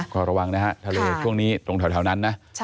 ก็ระวังนะฮะทะเลช่วงนี้ตรงแถวนั้นนะ